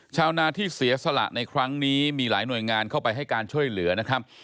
ชาวนาที่เสียสละในครั้งนี้มีหลายหน่วยงานเข้าไปให้การช่วยเหลือนะครับ